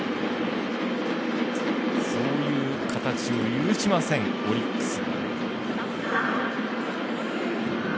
そういう形を許しませんオリックス。